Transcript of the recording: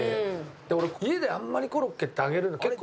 で俺家であんまりコロッケって揚げるの結構。